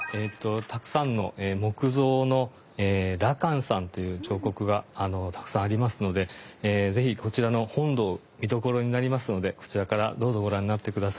たくさんの木造の羅漢さんという彫刻がたくさんありますので是非こちらの本堂見どころになりますのでこちらからどうぞご覧になって下さい。